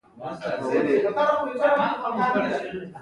د کندهار په شورابک کې د مالګې نښې شته.